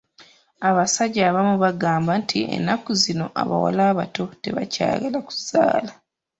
Abasajja abamu bagamba nti ennaku zino abawala abato tebakyayagala kuzaala.